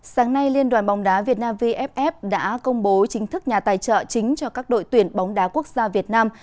sáng nay liên đoàn bóng đá việt nam vff đã công bố chính thức nhà tài trợ chính cho các đội tuyển bóng đá quốc gia việt nam